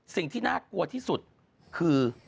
สิ่งที่น่ากลัวที่สุดคือ